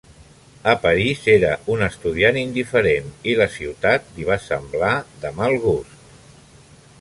A París, era un estudiant indiferent i la ciutat li va semblar de mal gust.